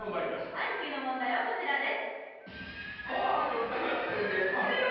はい次の問題はこちらです